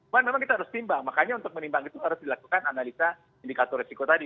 bukan memang kita harus timbang makanya untuk menimbang itu harus dilakukan analisa indikator resiko tadi